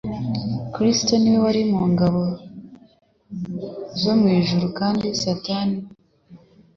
Kristo ni we wari umugaba w'ingabo zo mw'ijuru; kandi Satani,